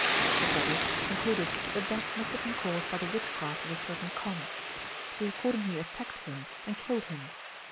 The brothers concluded that death must have been caused by the witchcraft of a certain Kondh. They accordingly attacked him, and killed him.